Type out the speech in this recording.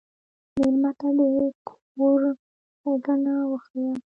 مېلمه ته د کور ښيګڼه وښیه.